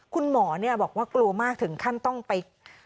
คุณหมอบอกว่ากลัวมากถึงขั้นต้องไป